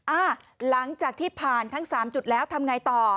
อ่าหลังจากที่ผ่านทั้ง๓จุดแล้วทำไงต่อ